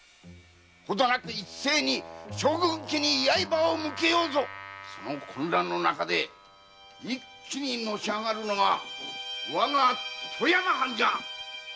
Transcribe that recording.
ほどなく一斉に将軍家に刃を向けようぞその混乱の中で一気にのしあがるのがわが富山藩じゃ。